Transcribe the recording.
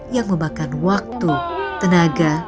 yang memakan waktu tenaga